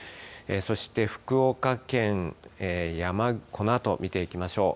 そして福岡県、このあと見ていきましょう。